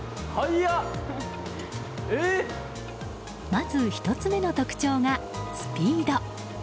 まず１つ目の特徴がスピード。